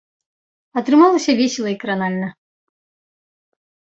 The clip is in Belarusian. Атрымалася весела і кранальна.